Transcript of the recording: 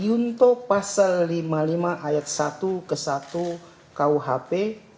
untuk pasal lima ayat satu ke satu kuhp